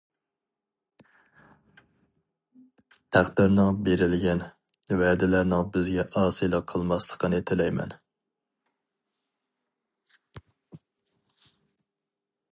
(تەقدىرنىڭ، بېرىلگەن ۋەدىلەرنىڭ بىزگە ئاسىيلىق قىلماسلىقىنى تىلەيمەن).